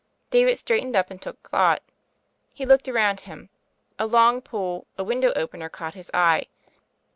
David straightened up and took thought. He looked around him. A long pole, a window opener, caught his eye.